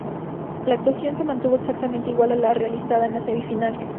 La actuación se mantuvo exactamente igual a la realizada en la semifinal.